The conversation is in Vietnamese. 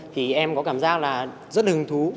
thì em có cảm giác là rất hứng thú